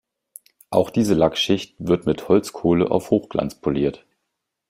Auch diese Lackschicht wird mit Holzkohle auf Hochglanz poliert.